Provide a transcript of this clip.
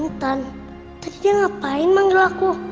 intan tadi dia ngapain manggil aku